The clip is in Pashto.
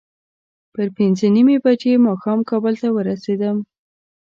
پر پینځه نیمې بجې ماښام کابل ته ورسېدم.